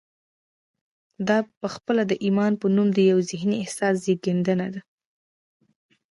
دا پخپله د ایمان په نوم د یوه ذهني احساس زېږنده ده